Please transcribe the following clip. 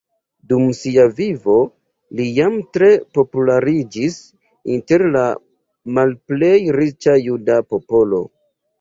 Dum sia vivo li jam tre populariĝis inter la malplej riĉa juda popolo.